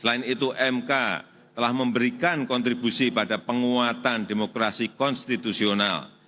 selain itu mk telah memberikan kontribusi pada penguatan demokrasi konstitusional